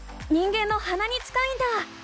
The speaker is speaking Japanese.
人間のはなに近いんだ！